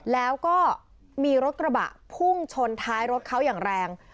แล้วก็มีรถกระบะพุ่งชนท้ายรถเขาอย่างแรง